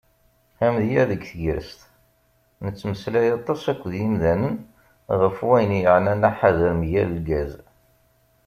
Amedya deg tegrest: Nettmeslay aṭas akked yimdanen ɣef wayen yeɛnan aḥader mgal lgaz.